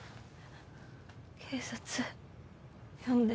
警察呼んで。